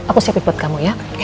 aku siapin pot kamu ya